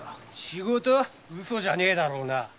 ウソじゃねえだろうな。